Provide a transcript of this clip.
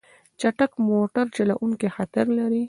چټک موټر چلوونه خطر لري.